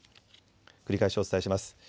繰り返しお伝えします。